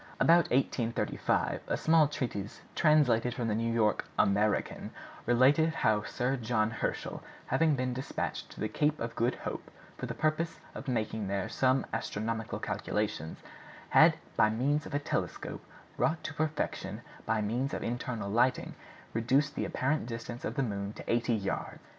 About 1835 a small treatise, translated from the New York American, related how Sir John Herschel, having been despatched to the Cape of Good Hope for the purpose of making there some astronomical calculations, had, by means of a telescope brought to perfection by means of internal lighting, reduced the apparent distance of the moon to eighty yards!